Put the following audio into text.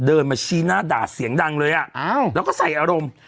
เดินมาชี้หน้าด่าเสียงดังเลยอ่ะแล้วก็ใส่อารมณ์